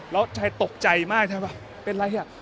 แล้วชายตกใจมากเป็นอะไรอะ